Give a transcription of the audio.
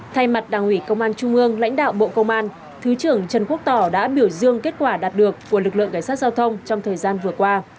thay mặt đảng ủy công an trung ương lãnh đạo bộ công an thứ trưởng trần quốc tỏ đã biểu dương kết quả đạt được của lực lượng cảnh sát giao thông trong thời gian vừa qua